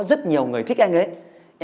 tự khẳng định rằng là